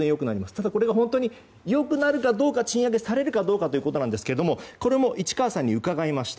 ただ、本当に良くなるかどうか賃上げされるかどうかですがこれも市川さんに伺いました。